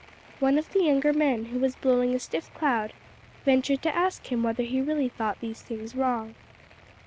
One of the younger men, who was blowing a stiff cloud, ventured to ask him whether he really thought these things wrong.